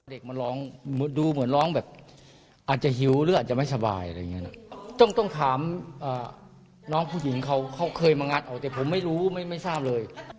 เด็กมันร้องดูเหมือนร้องแบบอาจจะหิวหรืออาจจะไม่สบายอะไรอย่างเงี้นะต้องถามน้องผู้หญิงเขาเขาเคยมางัดออกแต่ผมไม่รู้ไม่ทราบเลย